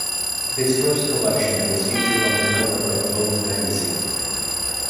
His first collection was featured on the cover of Vogue Magazine.